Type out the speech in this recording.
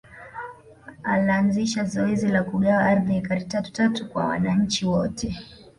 Alanzisha zoezi la kugawa ardhi ekari tatu tatu kwa wananchi wote